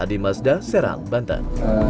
adi mazda serang bantan